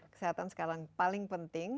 kesehatan sekarang paling penting